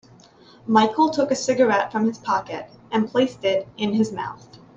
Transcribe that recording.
Michael took a cigarette from his pocket and placed it in his mouth.